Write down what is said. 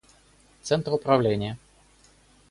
Центр управления